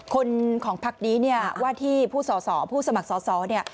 คนของภักดิ์นี้ว่าที่ผู้สมัครสอนี่